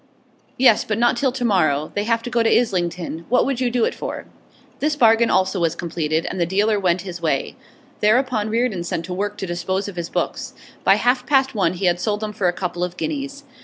'Yes, but not till to morrow. They have to go to Islington. What would you do it for?' This bargain also was completed, and the dealer went his way. Thereupon Reardon set to work to dispose of his books; by half past one he had sold them for a couple of guineas.